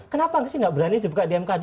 kenapa nggak sih nggak berani dibuka di mkd